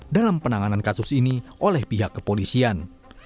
dalam penanganan kasus ini oleh pihak kepolisian